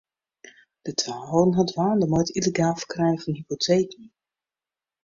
De twa holden har dwaande mei it yllegaal ferkrijen fan hypoteken.